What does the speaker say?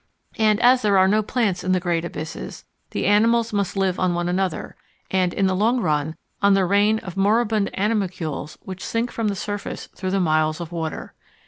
And as there are no plants in the great abysses, the animals must live on one another, and, in the long run, on the rain of moribund animalcules which sink from the surface through the miles of water.